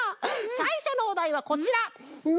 さいしょのおだいはこちらのりもの！